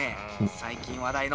最近話題の。